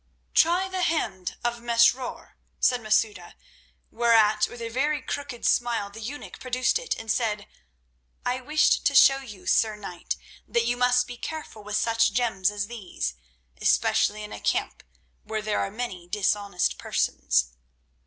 "Try the hand of Mesrour," said Masouda, whereat with a very crooked smile the eunuch produced it, and said: "I wished to show you, Sir Knight, that you must be careful with such gems as these, especially in a camp where there are many dishonest persons."